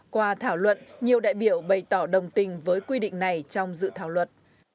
qua thảo luận nhiều đại biểu bày tỏ đồng tình với quy định này trong dự thảo luật